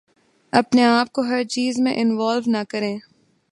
اپنے آپ کو ہر چیز میں انوالو نہ کریں